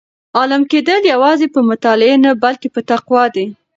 عالم کېدل یوازې په مطالعې نه بلکې په تقوا دي.